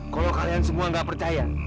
kalau kalian semua gak percaya